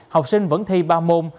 học sinh vẫn thi ba môn